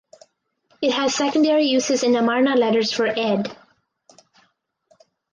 It has secondary uses in the Amarna letters for ""ad"".